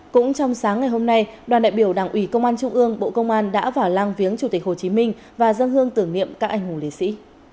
cũng trong sáng ngày hôm nay đoàn đại biểu đảng ủy công an trung ương bộ công an đã vào lăng viếng chủ tịch hồ chí minh và dân hương tưởng niệm các anh hùng liệt sĩ